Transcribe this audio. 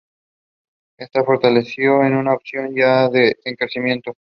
Esto fortaleció a una oposición ya en crecimiento.